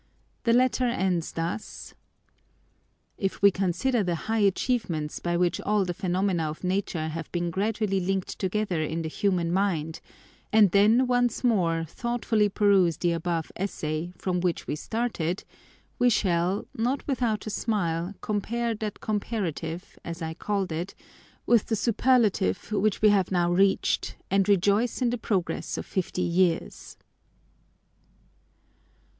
The letter ends thus :— “Tf we consider the high achievements by which all the phenomena of Nature have been gradually linked together in the human mind; and then, once more, thoughtfully peruse the above essay, from which we started, we shall, not without a smile, compare that comparative, as I called it, with the superlative which we have now reached, and rejoice in the progress of fifty years.